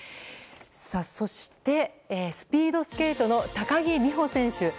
そして、スピードスケートの高木美帆選手